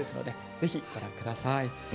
ぜひ、ご覧ください。